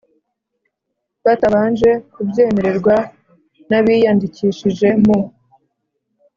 batabanje kubyemererwa n abiyandikishije mu